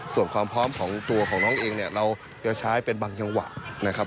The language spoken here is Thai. ส่วนความพร้อมของตัวของน้องเองเนี่ยเราจะใช้เป็นบางจังหวะนะครับ